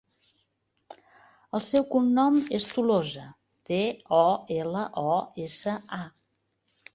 El seu cognom és Tolosa: te, o, ela, o, essa, a.